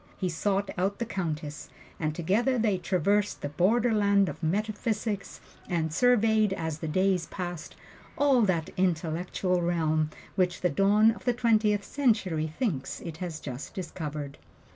He sought out the Countess, and together they traversed the border land of metaphysics, and surveyed, as the days passed, all that intellectual realm which the dawn of the Twentieth Century thinks it has just discovered.